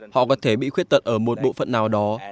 họ có thể bị khuyết tật ở một bộ phận nào đó